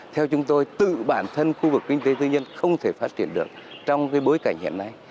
theo chúng tôi tự bản thân khu vực kinh tế tư nhân không thể phát triển được trong bối cảnh hiện nay